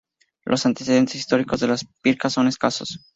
Los antecedentes históricos de Las Pircas son escasos.